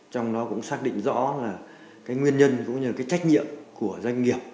trong đó cũng xác định rõ là cái nguyên nhân cũng như là cái trách nhiệm của doanh nghiệp